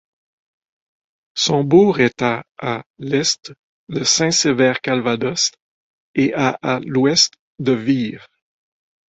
Son bourg est à à l'est de Saint-Sever-Calvados et à à l'ouest de Vire.